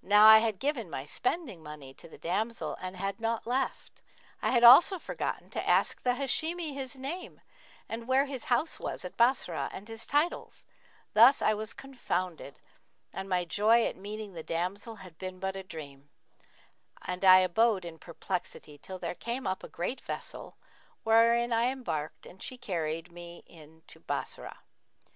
Now I had given my spending money to the damsel and had naught left: I had also forgotten to ask the Hashimi his name and where his house was at Bassorah and his titles; thus I was confounded and my joy at meeting the damsel had been but a dream; and I abode in perplexity till there came up a great vessel wherein I embarked and she carried me to Bassorah.